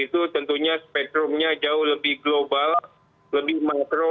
dan bagi dpr itu tentunya spektrumnya jauh lebih global lebih makro